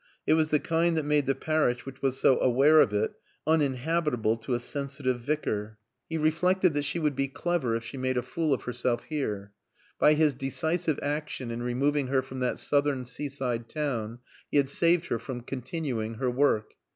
It was the kind that made the parish which was so aware of it uninhabitable to a sensitive vicar. He reflected that she would be clever if she made a fool of herself here. By his decisive action in removing her from that southern seaside town he had saved her from continuing her work.